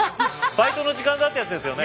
「バイトの時間だ」ってやつですよね。